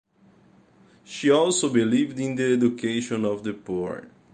She also believed in the education of the poor.